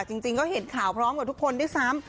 จริงก็เห็นข่าวพร้อมกับทุกคนด้วยซ้ำ